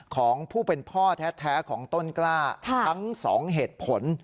ของผู้เป็นพ่อแท้ของต้นกล้าทั้ง๒เหตุผล